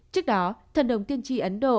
trước đó thần đồng tiên tri ấn độ